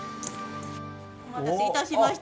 お待たせいたしました。